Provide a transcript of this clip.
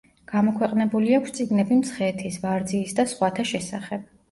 გამოქვეყნებული აქვს წიგნები მცხეთის, ვარძიის და სხვათა შესახებ.